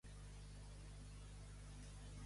Donar per conclòs.